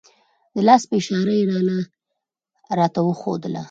د لاس په اشاره یې لاره راته وښودله.